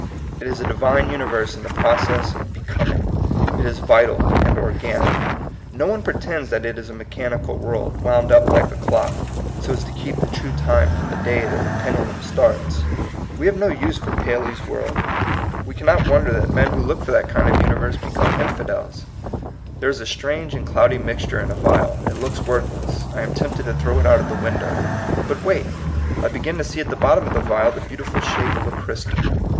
It is a Divine universe in the process of becoming ; it is vital and organic. No one pretends that it is a mechanical world, wound up like a clock, so as to keep the true time from the day that the pendu lum starts. We have no use for Paley's world ; we cannot wonder that men who TBE DIVINE UNIVERSE. 69 look for that kind of universe become in fidels. There is a strange and cloudy mixture in a vial ; it looks worthless ; I am tempted to throw it out of the window. But wait : I begin to see at the bottom of the vial the beautiful shape of a crystal.